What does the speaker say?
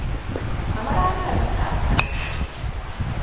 Kamar hankalin ka a tashe.